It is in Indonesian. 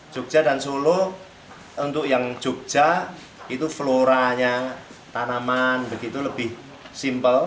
jogja dan solo untuk yang jogja itu floranya tanaman begitu lebih simpel